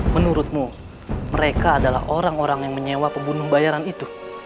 menurutmu mereka adalah orang orang yang menyewa pembunuh bayaran itu